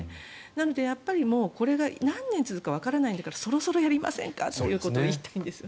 なのでやっぱりこれが何年続くかわからないんですからそろそろやりませんかと言いたいんです。